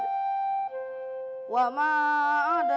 aku kagak mau deh